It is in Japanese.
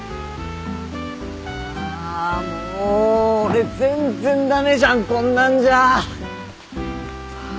あもう俺全然駄目じゃんこんなんじゃ！ハァ。